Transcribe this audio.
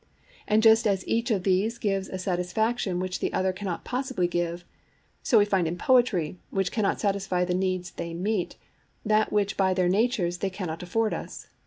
And just as each of these gives a satisfaction which the other cannot possibly give, so we find in poetry, which cannot satisfy the needs they meet, that which by their[Pg 31] natures they cannot afford us.